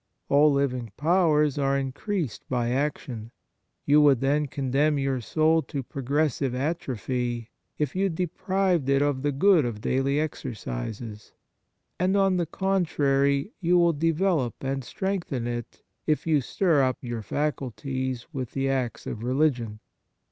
All living powers are in creased by action. You would, then, condemn your soul to progressive atrophy, if you deprived it of the good of daily exercises ; and, on the con trary, you will develop and strengthen it, if you stir up your faculties with the acts of religion.